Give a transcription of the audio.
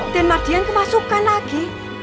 dan mardian kemasukan lagi